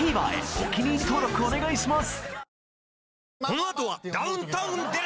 お気に入り登録お願いします